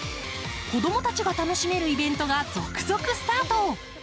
子供たちが楽しめるイベントが続々スタート。